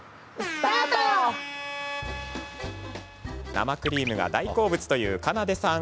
生クリームが大好物というかなでさん